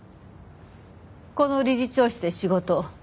この理事長室で仕事を。